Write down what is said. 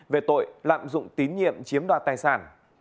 về tội lạm dụng tín nhiệm chiếm đoạt tài sản